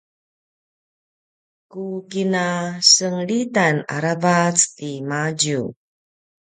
ku kina senglitan aravac timadju